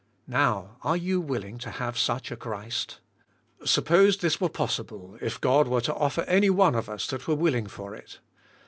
Now, are you willing to have such a Christ ? Suppose this were possible, if God were to offer anyone of us, that were willing for it.